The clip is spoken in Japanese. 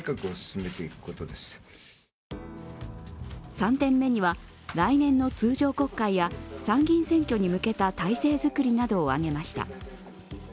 ３点目には来年の通常国会や参議院選挙に向けた体制づくりなどを挙げました。